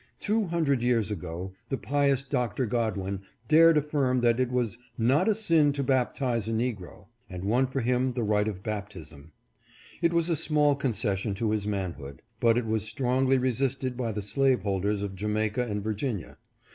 Two hundred years ago, the pious Doctor Godwin dared affirm that it was "not a sin to baptize a negro," and won for him the rite of baptism. It was a small concession to his manhood ; but it was strongly resisted by the slave holders of Jamaica and Virginia.